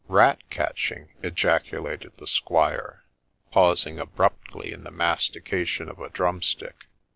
' Rat catching !' ejaculated the squire, pausing abruptly in the mastication of a drumstick.